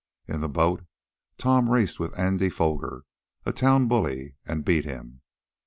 In the boat Tom raced with Andy Foger, a town bully, and beat him.